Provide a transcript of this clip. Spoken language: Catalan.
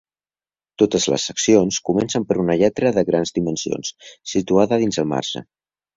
Totes les seccions comencen per una lletra de grans dimensions situada dins del marge.